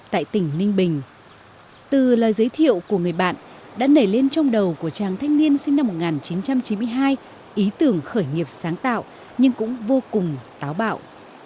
tại tỉnh ninh bình từ lời giới thiệu của người bạn đã nảy lên trong đầu của chàng thanh niên sinh năm một nghìn chín trăm chín mươi hai ý tưởng khởi nghiệp sáng tạo nhưng cũng vô cùng táo bạo